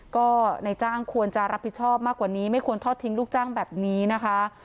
ก็นายจ้างควรจะรับผิดชอบมากกว่านี้ไม่ควรทอดทิ้งลูกจ้างแบบนี้นะคะ